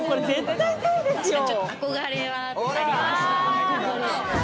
憧れはありました。